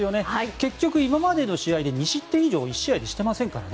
結局今での試合で２失点以上１試合でしていませんからね。